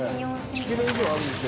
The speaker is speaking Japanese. １キロ以上あるでしょ？